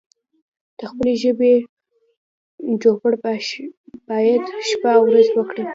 د خپلې ژبې چوپړ بايد شپه او ورځ وکړو